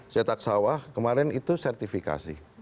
cetak sawah kemarin itu sertifikasi